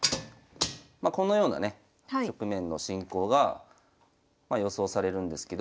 まこのようなね局面の進行が予想されるんですけど。